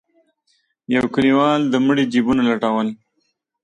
يو کليوال د مړي جيبونه لټول.